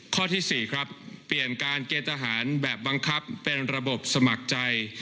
ข้อที่๔ครับเปลี่ยนการเกณฑ์ทหารแบบบังคับเป็นระบบสมัครใจ